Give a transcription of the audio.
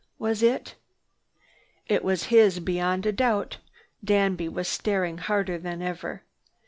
Was it—" "It was his beyond a doubt." Danby was staring harder than ever.